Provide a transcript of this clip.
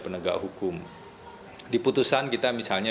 penegak hukum di putusan kita misalnya